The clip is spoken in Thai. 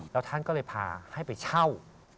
แล้วท่านก็เลยพาให้ไปเช่า